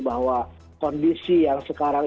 bahwa kondisi yang sekarang